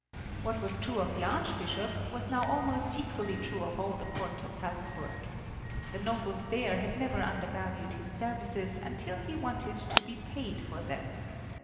What was true of the Archbishop was now almost equally true of all the court at Salzburg. The nobles there had never undervalued his services until he wanted to be paid for them.